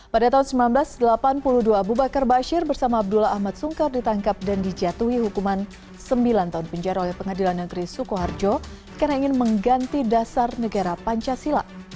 pada tahun seribu sembilan ratus delapan puluh dua abu bakar bashir bersama abdullah ahmad sungkar ditangkap dan dijatuhi hukuman sembilan tahun penjara oleh pengadilan negeri sukoharjo karena ingin mengganti dasar negara pancasila